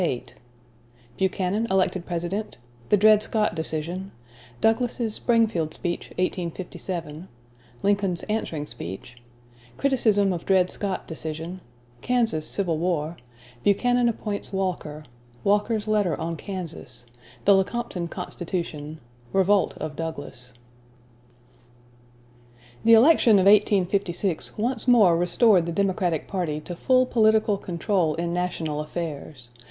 '" VIII Buchanan Elected President The Dred Scott Decision Douglas's Springfield Speech, 1857 Lincoln's Answering Speech Criticism of Dred Scott Decision Kansas Civil War Buchanan Appoints Walker Walker's Letter on Kansas The Lecompton Constitution Revolt of Douglas The election of 1856 once more restored the Democratic party to full political control in national affairs.